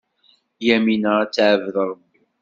Yamina ad teɛbed Ṛebbi.